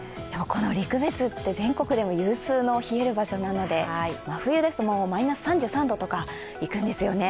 陸別って全国でも有数の冷える場所ですので、真冬ですと３３度とかいくんですよね。